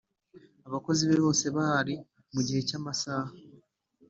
abakozi be bose bahari mu gihe cy amasaha